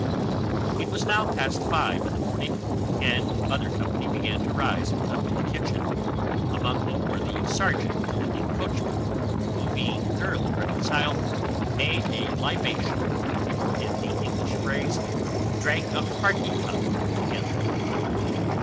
It was now past five in the morning, and other company began to rise and come to the kitchen, among whom were the serjeant and the coachman, who, being thoroughly reconciled, made a libation, or, in the English phrase, drank a hearty cup together.